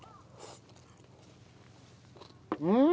うん！